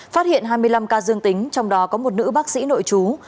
phát hiện hai mươi năm ca dương tính trong đó có một nữ bác sĩ nội chú